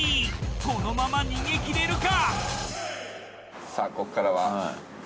このまま逃げ切れるか？